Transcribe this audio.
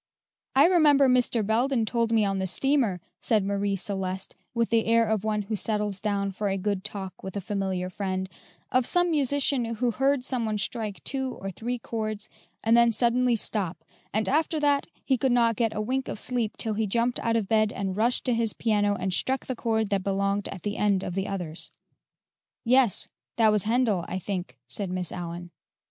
"I remember Mr. Belden told me on the steamer," said Marie Celeste, with the air of one who settles down for a good talk with a familiar friend, "of some musician who heard some one strike two or three chords and then suddenly stop, and after that he; could not get a wink of sleep till he jumped out of bed and rushed to his piano and struck the chord that belonged at the end of the others." "Yes; that was Handel, I think," said Miss Allyn.